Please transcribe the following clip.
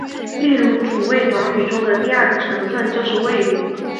例如主谓短语中的第二个成分就是谓语。